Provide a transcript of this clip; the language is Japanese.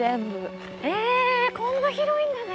えこんな広いんだね。